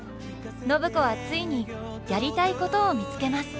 暢子はついにやりたいことを見つけます。